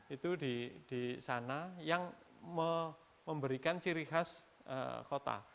itu di sana yang memberikan ciri khas kota